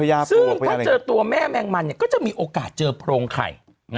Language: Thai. ซึ่งถ้าเจอตัวแม่แมงมันก็จะมีโอกาสเจอโพรงไข่